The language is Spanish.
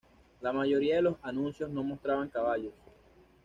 La mayoría de los anuncios no mostraban caballos.